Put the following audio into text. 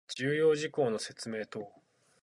重要事項の説明等